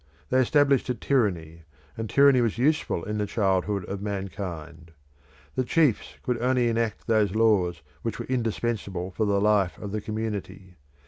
They established a tyranny, and tyranny was useful in the childhood of mankind. The chiefs could only enact those laws which were indispensable for the life of the community.